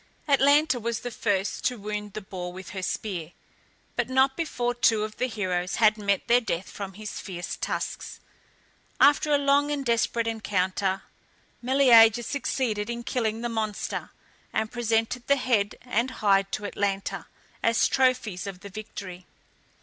Atalanta was the first to wound the boar with her spear, but not before two of the heroes had met their death from his fierce tusks. After a long and desperate encounter, Meleager succeeded in killing the monster, and presented the head and hide to Atalanta, as trophies of the victory.